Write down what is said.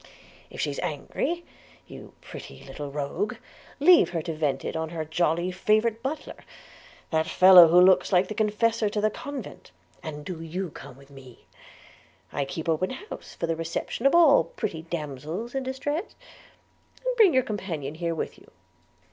If she's angry, you pretty little rogue, leave her to vent it on her jolly favourite butler, that fellow who looks like the confessor to the convent, and do you come to me – I keep open house for the reception of all pretty damsels in distress – and bring your companion here with you.'